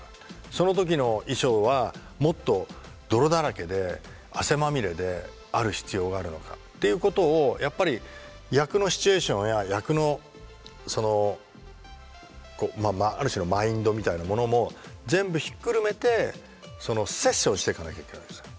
その時の衣装はもっと泥だらけで汗まみれである必要があるのかっていうことをやっぱり役のシチュエーションや役のある種のマインドみたいなものも全部ひっくるめてそのセッションをしていかなきゃいけないんですよ。